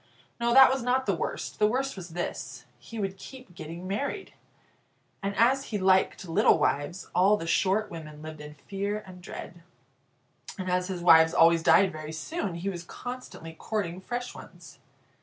No, that was not the worst. The worst was this he would keep getting married. And as he liked little wives, all the short women lived in fear and dread. And as his wives always died very soon, he was constantly courting fresh ones.